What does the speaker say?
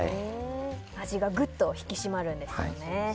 味がぐっと引き締まるんですよね。